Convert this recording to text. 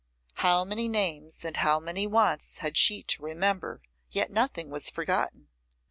How many names and how many wants had she to remember! yet nothing was forgotten.